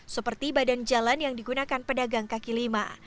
seperti badan jalan yang digunakan pedagang kaki lima